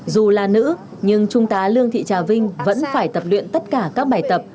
dù là nữ nhưng trung tá lương thị trà vinh vẫn phải tập luyện tất cả các bài tập